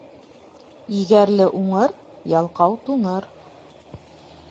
Егәрле уңыр, ялҡау туңыр.